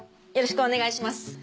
よろしくお願いします。